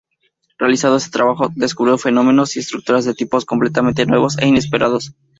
Realizando este trabajo descubrió fenómenos y estructuras de tipos completamente nuevos e inesperados.